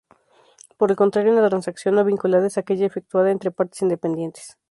Por el contrario, una transacción no vinculada es aquella efectuada entre partes independientes.